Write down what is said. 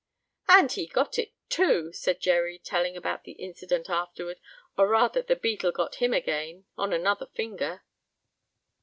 "And he got it, too!" said Jerry, telling about the incident afterward, "or rather, the beetle got him again, on another finger."